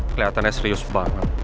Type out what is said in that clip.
keliatannya serius banget